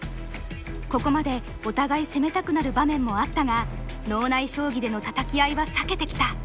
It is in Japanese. ここまでお互い攻めたくなる場面もあったが脳内将棋でのたたき合いは避けてきた。